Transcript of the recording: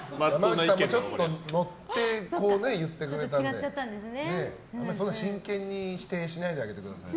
山内さんもちょっと乗って言ってくれたんであんまりそんな真剣に否定しないであげてください。